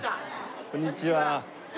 こんにちは。